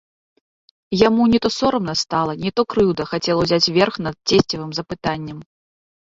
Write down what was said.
Яму не то сорамна стала, не то крыўда хацела ўзяць верх над цесцевым запытаннем.